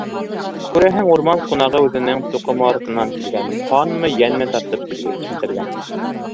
Күрәһең, урман ҡунағы үҙенең тоҡомо артынан килгән, ҡанмы, йәнме тартып килтергән.